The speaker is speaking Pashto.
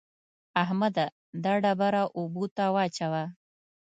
احمده! دا ډبره اوبو ته واچوه.